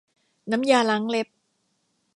น้ำยาล้างเล็บ